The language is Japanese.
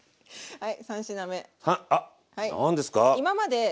はい。